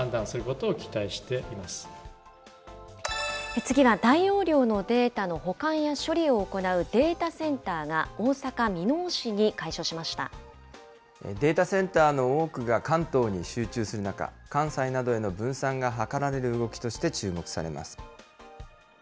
次は大容量のデータの保管や処理を行うデータセンターが大阪データセンターの多くが関東に集中する中、関西などへの分散が図られる動きとして注目されます。